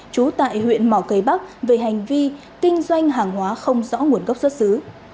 trú tại huyện mỏ cây bắc về hành vi kinh doanh hàng hóa không rõ nguồn gốc xuất xứ